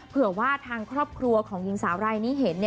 เผื่อว่าทางครอบครัวของหญิงสาวรายนี้เห็น